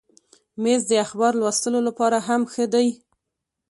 مېز د اخبار لوستلو لپاره هم ښه دی.